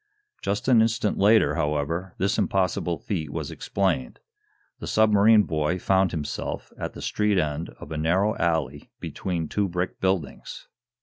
Just an instant later, however, this impossible feat was explained. The submarine boy found himself at the street end of a narrow alley between two brick buildings.